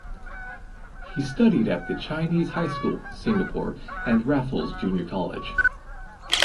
He studied at The Chinese High School (Singapore) and Raffles Junior College.